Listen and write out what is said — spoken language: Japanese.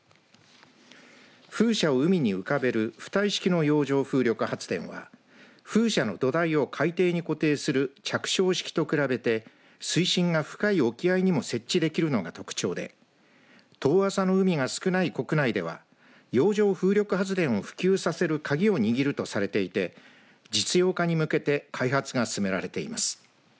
風車を海に浮かべる浮体式の洋上風力発電は風車の土台を海底に固定する着床式と比べて水深が深い沖合にも設置できるのが特徴で遠浅の海が少ない国内では洋上風力発電を普及させる鍵を握るとされていて実用化に向けて開発が進められています。